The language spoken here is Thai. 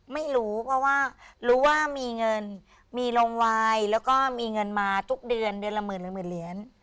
ไม่รู้เพราะว่ารู้ว่ามีเงินมีลงวายแล้วก็มีเงินมาทุกเดือนเดือนละหมื่นหรือหมื่นเหรียญ